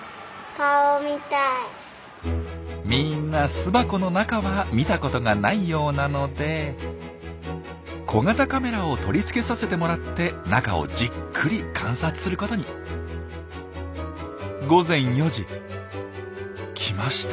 みんな巣箱の中は見たことがないようなので小型カメラを取り付けさせてもらって中をじっくり観察することに。来ました。